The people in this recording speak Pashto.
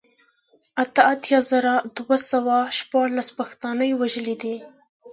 اته اتيا زره دوه سوه شپاړل پښتانه يې وژلي دي